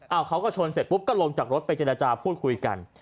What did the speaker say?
เอาเขาก็ชนเสร็จปุ๊บก็ลงจากรถไปเจรจาพูดคุยกัน